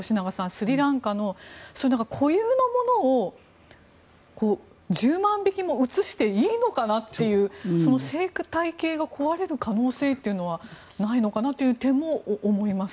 スリランカの固有のものを１０万匹も移していいのかなという生態系が壊れる可能性はないのかなっていう点も思います。